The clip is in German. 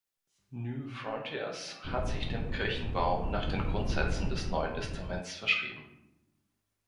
Newfrontiers hat sich dem Kirchenbau nach den „Grundsätzen des Neuen Testaments" verschrieben.